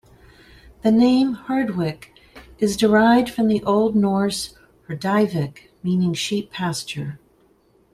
The name "Herdwick" is derived from the Old Norse "herdvyck", meaning sheep pasture.